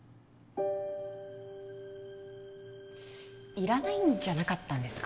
いらないんじゃなかったんですか？